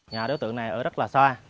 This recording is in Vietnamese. nhà đối tượng này ở rất là xa